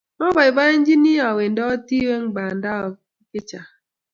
mabaibaichini awendoti we ng Banda ago biik chechang